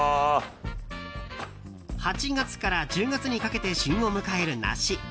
８月から１０月にかけて旬を迎えるナシ。